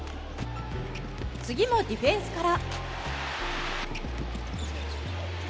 次もディフェンスから。